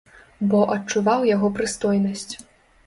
Бо адчуваў яго прыстойнасць.